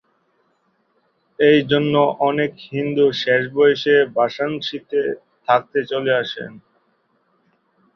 এই জন্য অনেক হিন্দু শেষ বয়সে বারাণসীতে থাকতে চলে আসেন।